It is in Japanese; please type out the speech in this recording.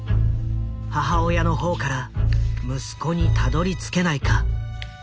母親の方から息子にたどりつけないか？